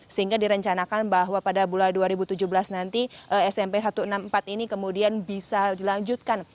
sehingga direncanakan bahwa pada bulan dua ribu tujuh belas nanti smp satu ratus enam puluh empat ini kemudian bisa dilanjutkan